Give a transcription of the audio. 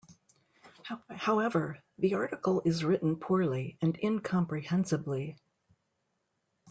However, the article is written poorly and incomprehensibly.